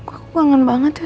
aku bangen banget ya